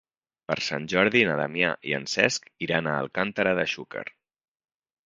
Per Sant Jordi na Damià i en Cesc iran a Alcàntera de Xúquer.